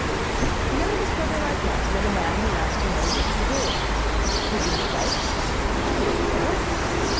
The youngest brother likewise met a man who asked him what he wished to do. 'Would not you like,' said he, 'to be a tailor?